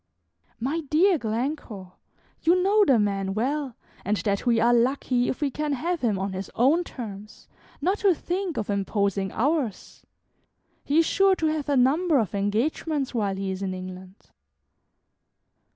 "My dear Glencore, you know the man well, and that we are lucky if we can have him on his own terms, not to think of imposing ours; he is sure to have a number of engagements while he is in England."